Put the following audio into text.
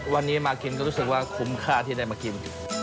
วันนี้มากินก็รู้สึกว่าคุ้มค่าที่ได้มากิน